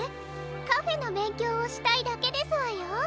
カフェのべんきょうをしたいだけですわよ。